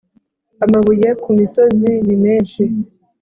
amabuye ku misozi nimenshi